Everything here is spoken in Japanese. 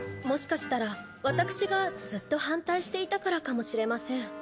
もしかしたらわたくしがずっと反対していたからかもしれません。